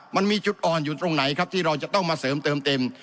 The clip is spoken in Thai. มันมีจุดอ่อนอยู่ตรงไหนครับที่เราจะต้องมาเสริมเติมเต็ม